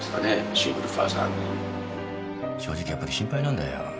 シングルファーザーの正直やっぱり心配なんだよ